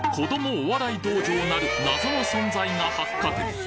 お笑い道場なる謎の存在が発覚